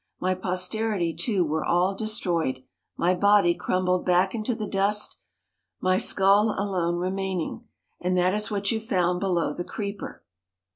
My posterity, too, were all destroyed, my body crumbled back into the dust, my skull alone remaining, and that is what you found below the creeper.